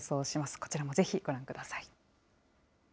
こちらもぜひご覧ください。